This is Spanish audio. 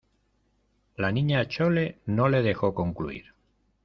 la Niña Chole no le dejó concluir: